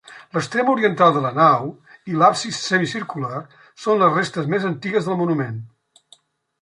L'extrem oriental de la nau, i l'absis semicircular, són les restes més antigues del monument.